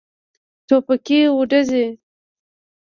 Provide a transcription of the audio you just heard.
ټوپکې وډزېدې.